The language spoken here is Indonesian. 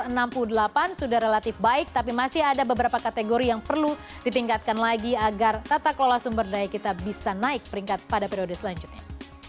sudah relatif baik tapi masih ada beberapa kategori yang perlu ditingkatkan lagi agar tata kelola sumber daya kita bisa naik peringkat pada periode selanjutnya